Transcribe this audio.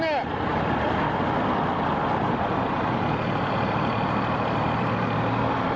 จอดตด